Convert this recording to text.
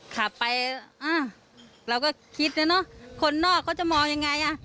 กลับไปเราก็คิดนะเนอะคนนอกเขาจะมองยังไง